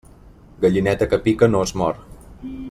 Gallineta que pica no es mor.